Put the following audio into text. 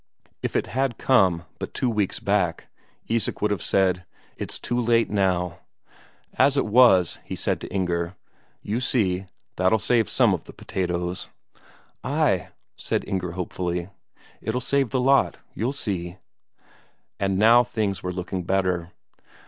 If it had come but two weeks back, Isak would have said, "It's too late now!" As it was, he said to Inger, "You see, that'll save some of the potatoes." "Ay," said Inger hopefully. "It'll save the lot, you'll see." And now things were looking better.